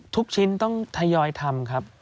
ทุกชิ้นต้องทยอยทำครับ